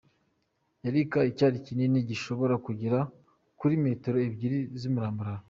Yarika icyari kinini gishobora kugera kuri metero ebyiri z’umurambararo ».